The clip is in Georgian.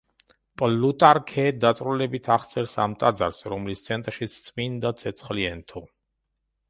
პლუტარქე დაწვრილებით აღწერს ამ ტაძარს, რომლის ცენტრშიც წმინდა ცეცხლი ენთო.